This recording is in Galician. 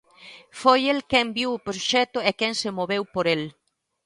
Foi el quen viu o proxecto e quen se moveu por el.